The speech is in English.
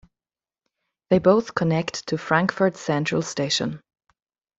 They both connect to Frankfurt Central Station.